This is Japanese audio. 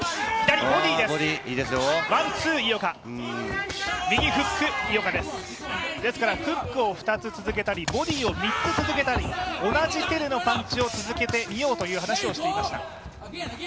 ですからフックを２つ続けたり、ボディを３つ続けたり同じ手でのパンチを続けてみようという話をしていました。